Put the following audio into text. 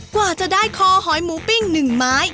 กว่าจะได้คอหอยหมูปิ้ง๑ไม้